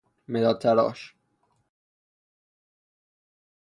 مداد تراش